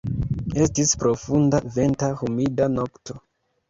Estis profunda, venta, humida nokto.